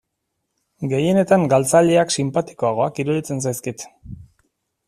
Gehienetan galtzaileak sinpatikoagoak iruditzen zaizkit.